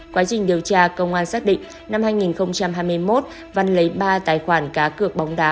quá trình điều tra công an xác định năm hai nghìn hai mươi một văn lấy ba tài khoản cá cược bóng đá